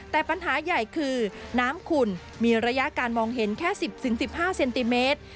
แต่ปัญหาใหญ่คือน้ำขุ่นมีระยะการมองเห็นแค่๑๐๑๕เซนติเมตร